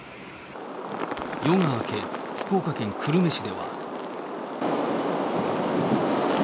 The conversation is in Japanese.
夜が明け、福岡県久留米市では。